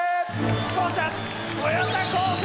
勝者豊田高専！